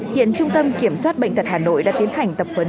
hiện trung tâm kiểm soát bệnh tật hà nội đã tiến hành tập huấn